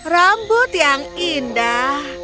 rambut yang indah